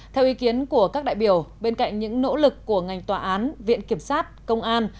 theo ý kiến của các đại biểu bên cạnh những nỗ lực của ngành tòa án viện kiểm sát công an